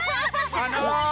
あの。